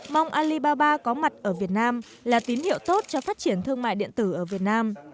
mong alibaba có mặt ở việt nam là tín hiệu tốt cho phát triển thương mại điện tử ở việt nam